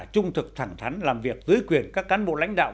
trung thực thẳng thắn làm việc dưới quyền các cán bộ lãnh đạo